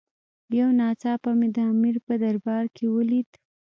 یو ناڅاپه مې د امیر په دربار کې ولید.